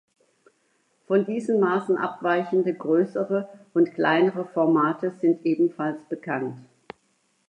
Von diesen Maßen abweichende größere und kleinere Formate sind ebenfalls bekannt.